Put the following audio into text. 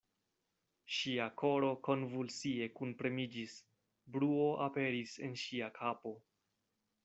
Ŝia koro konvulsie kunpremiĝis, bruo aperis en ŝia kapo.